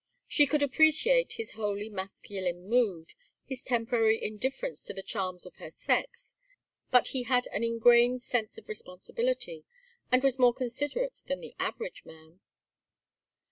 She could appreciate his wholly masculine mood, his temporary indifference to the charms of her sex, but he had an ingrained sense of responsibility, and was more considerate than the average man.